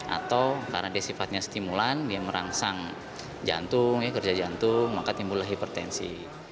atau karena desifatnya stimulan dia merangsang jantung kerja jantung maka timbul hipertensi